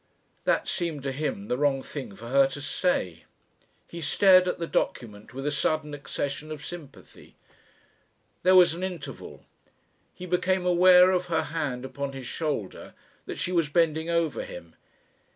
That seemed to him the wrong thing for her to say. He stared at the document with a sudden accession of sympathy. There was an interval. He became aware of her hand upon his shoulder, that she was bending over him.